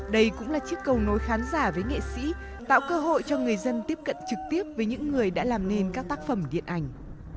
đây cũng là chiếc cầu nối khán giả với nghệ sĩ tạo cơ hội cho người dân tiếp cận trực tiếp với những người đã làm nên các tác phẩm điện ảnh